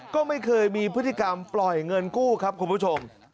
ก็ไม่เคยมีพฤติกรรมปล่อยเงินกู้ครับคุณผู้ชม